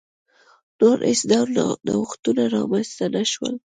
نور هېڅ ډول نوښتونه رامنځته نه شول.